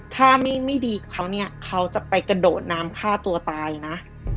ถ้าไม่ดีเขาจะไปกระโดดนำผ้าตัวตายละ